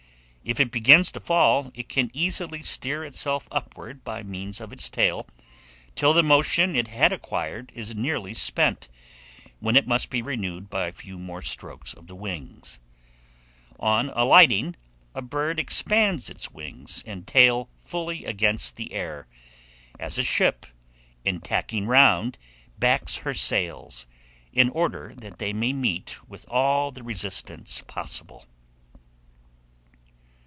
If it begins to fall, it can easily steer itself upward by means of its tail, till the motion it had acquired is nearly spent, when it must be renewed by a few more strokes of the wings. On alighting, a bird expands its wings and tail fully against the air, as a ship, in tacking round, backs her sails, in order that they may meet with all the resistance possible.